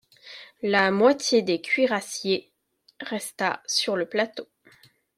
La moitié des cuirassiers resta sur le plateau.